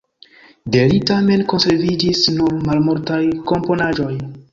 De li tamen konserviĝis nur malmultaj komponaĵoj.